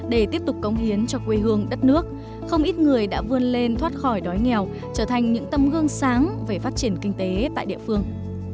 để tiếp tục công hiến cho quê hương đất nước không ít người đã vươn lên thoát khỏi đói nghèo trở thành những tâm gương sáng về phát triển kinh tế tại địa phương